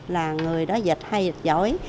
là người đó dịch hay dịch giỏi